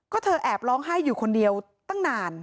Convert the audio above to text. ก็เธอแอบร้องไห้อยู่คนเดียวตั้งนาน